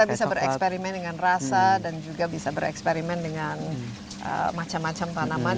kita bisa bereksperimen dengan rasa dan juga bisa bereksperimen dengan macam macam tanaman